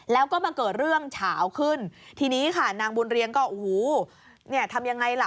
แล้วก็มาเกิดเรื่องเฉาขึ้นทีนี้ค่ะนางบุญเรียงก็โอ้โหเนี่ยทำยังไงล่ะ